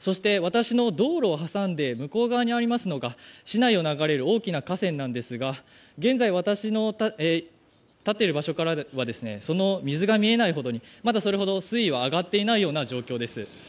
そして道路を挟んで向こうにありますのが市内を流れる大きな河川ですが現在、私の立っている場所からはその水が見えないほどに、まだそれほど水位は上がってない状況です。